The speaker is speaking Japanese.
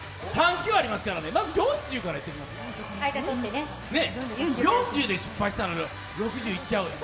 ３球ありますから、まず４０からいってみましょうか。